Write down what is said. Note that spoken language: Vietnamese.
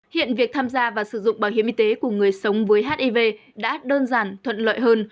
hiện việc tham gia và sử dụng bảo hiểm y tế của người sống với hiv đã đơn giản thuận lợi hơn